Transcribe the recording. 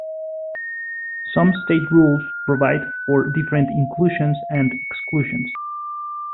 Some state rules provide for different inclusions and exclusions.